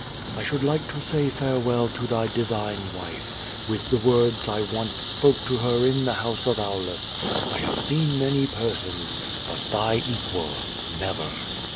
I should like to say farewell to thy divine wife, with the words I once spoke to her in the house of Aiilus: "I have seen many persons, but thy equal, never."